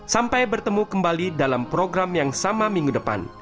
sampai bertemu kembali dalam program yang sama minggu depan